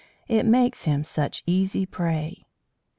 It makes him such easy prey.